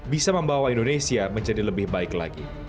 bisa membawa indonesia menjadi lebih baik lagi